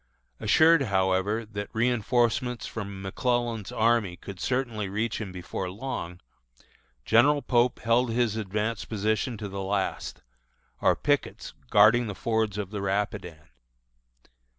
Assured, however, that reënforcements from McClellan's army could certainly reach him before long, General Pope held his advanced position to the last, our pickets guarding the fords of the Rapidan.